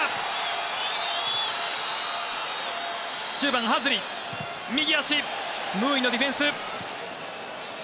１０番、ハズリ、右足ムーイのディフェンス。